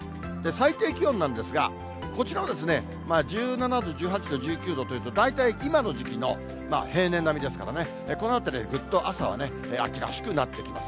最低気温なんですが、こちらは、１７度、１８度、１９度というと、大体今の時期の平年並みですからね、このあたりは、ぐっと朝はね、秋らしくなってきます。